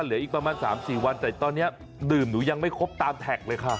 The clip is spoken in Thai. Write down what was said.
เหลืออีกประมาณ๓๔วันแต่ตอนนี้ดื่มหนูยังไม่ครบตามแท็กเลยค่ะ